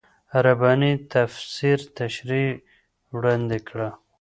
رباني تفسیر تشريح وړاندې کړه.